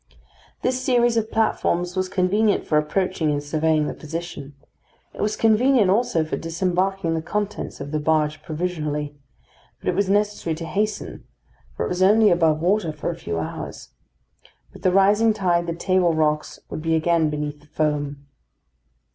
This series of platforms was convenient for approaching and surveying the position. It was convenient also for disembarking the contents of the barge provisionally; but it was necessary to hasten, for it was only above water for a few hours. With the rising tide the table rocks would be again beneath the foam.